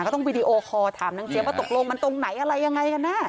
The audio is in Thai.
ต้องวีดีโอคอลถามนางเจี๊ยว่าตกลงมันตรงไหนอะไรยังไงกันแน่